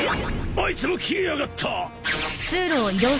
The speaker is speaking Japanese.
あいつも消えやがった！